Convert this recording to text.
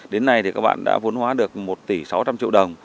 đến nay thì các bạn đã vốn hóa được một tỷ sáu trăm linh triệu đồng